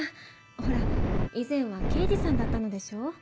ほら以前は刑事さんだったのでしょう？